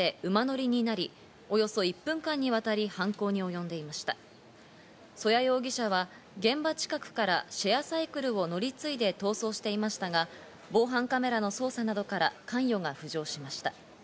征矢容疑者は現場近くからシェアサイクルを乗り継いで逃走していましたが、防犯カメラの捜査などから関与が浮上しました。